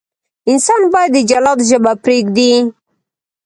انسان باید د جلاد ژبه پرېږدي.